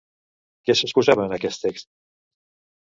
Què s'exposava en aquest text?